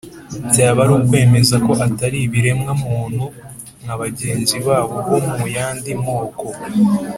byaba ari ukwemeza ko atari ibiremwa muntu nka bagenzi babo bo mu yandi moko.